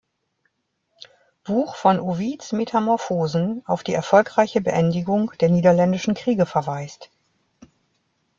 Buch von Ovids Metamorphosen auf die erfolgreiche Beendigung der Niederländischen Kriege verweist.